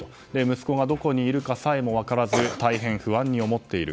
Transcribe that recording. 息子がどこにいるかさえも分からず大変、不安に思っている。